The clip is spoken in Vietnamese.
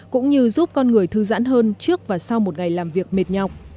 cũng như giúp con người thư giãn hơn trước và sau một ngày làm việc mệt nhọc